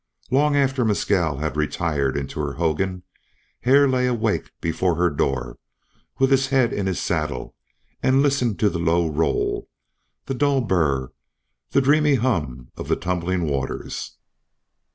Long after Mescal had retired into her hogan Hare lay awake before her door with his head in his saddle and listened to the low roll, the dull burr, the dreamy hum of the tumbling waters.